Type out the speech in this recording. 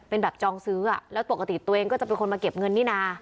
เป็นแบบจองซื้ออ่ะแล้วปกติตัวเองก็จะเป็นคนมาเก็บเงินนี่นะ